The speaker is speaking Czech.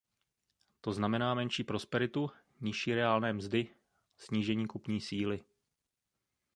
To znamená menší prosperitu, nižší reálné mzdy, snížení kupní síly.